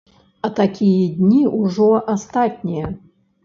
А такія дні ўжо астатнія.